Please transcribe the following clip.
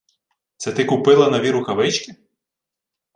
Це ти купила нові рукавички?